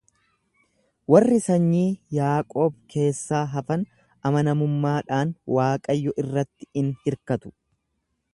Warri sanyii Yaaqoob keessaa hafan amanamummaadhaan Waaqayyo irratti in hirkatu.